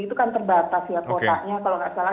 itu kan terbatas ya kotanya kalau nggak salah